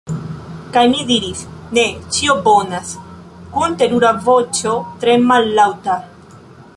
Kaj mi diris: "Ne... ĉio bonas." kun terura voĉo tre mallaŭta.